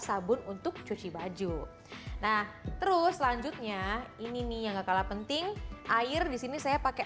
sabun untuk cuci baju nah terus selanjutnya ini nih yang gak kalah penting air disini saya pakai